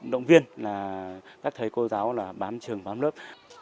động viên là các thầy cô giáo là bám trường bám lớp